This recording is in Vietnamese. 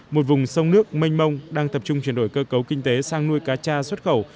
một vùng sông nước mênh mông đang tập trung chuyển đổi cơ cấu kinh tế sang nuôi cá cha xuất khẩu